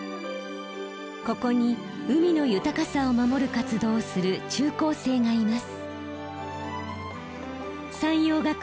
ここに海の豊かさを守る活動をする中高生がいます。